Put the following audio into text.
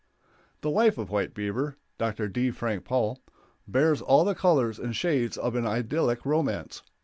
] The life of "White Beaver" (Dr. D. Frank Powell) bears all the colors and shades of an idyllic romance.